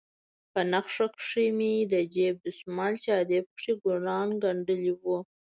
په نخښه کښې مې د جيب دسمال چې ادې پکښې ګلان گنډلي وو.